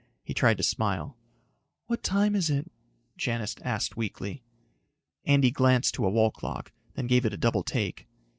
He tried to smile. "What time is it?" Janis asked weakly. Andy glanced to a wall clock, then gave it a double take.